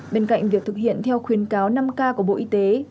bên cạnh việc thực hiện theo khuyến cáo năm k của bộ y tế